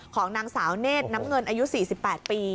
ของนางสาวเนธน้ำเงินอายุ๔๘ปี